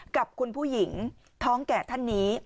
กับคุณผู้หญิงท้องแก่ท่านนี้